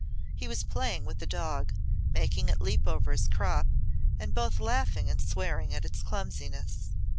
He was playing with a dog, making it leap over his crop, and both laughing and swearing at its clumsiness.